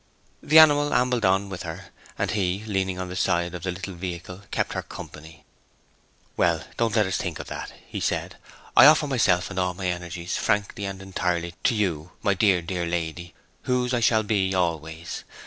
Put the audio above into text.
The animal ambled on with her, and he, leaning on the side of the little vehicle, kept her company. 'Well, don't let us think of that,' he said. 'I offer myself and all my energies, frankly and entirely, to you, my dear, dear lady, whose I shall be always!